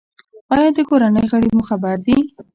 ایا د کورنۍ غړي مو خبر دي؟